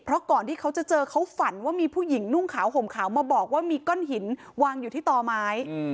เพราะก่อนที่เขาจะเจอเขาฝันว่ามีผู้หญิงนุ่งขาวห่มขาวมาบอกว่ามีก้อนหินวางอยู่ที่ต่อไม้